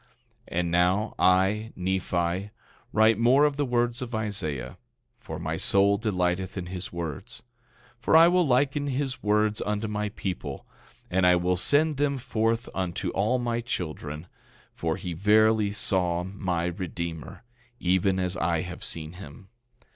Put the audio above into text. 11:2 And now I, Nephi, write more of the words of Isaiah, for my soul delighteth in his words. For I will liken his words unto my people, and I will send them forth unto all my children, for he verily saw my Redeemer, even as I have seen him.